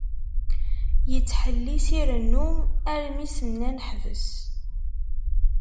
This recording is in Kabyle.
Yettḥellis irennu, armi s-nnan ḥbes.